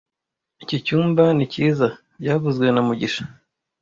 Iki cyumba ni cyiza byavuzwe na mugisha